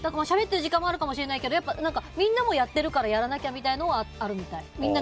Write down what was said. しゃべってる時間もあるかもしれないけどみんなもやってるからやらなきゃみたいなのはあるみたい。